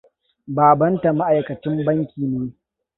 Babanta ma'aikacin banki ne.